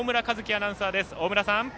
アナウンサーです。